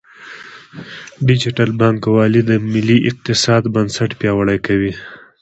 ډیجیټل بانکوالي د ملي اقتصاد بنسټ پیاوړی کوي.